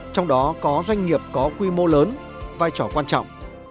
trong đó có doanh nghiệp có quy mô lớn vai trò quan trọng